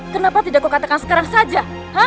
kenapa tidak kukatakan sekarang saja